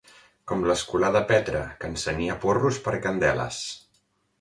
Com l'escolà de Petra, que encenia porros per candeles.